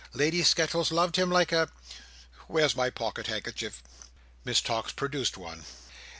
Lady Skettles loved him like a—where's my pocket handkerchief?" Miss Tox produced one.